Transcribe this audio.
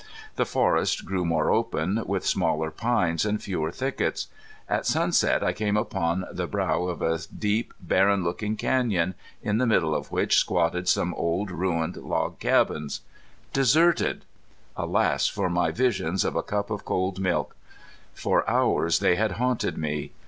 The forest grew more open, with smaller pines, and fewer thickets. At sunset I came out upon the brow of a deep barren looking canyon, in the middle of which squatted some old ruined log cabins. Deserted! Alas for my visions of a cup of cold milk. For hours they had haunted me.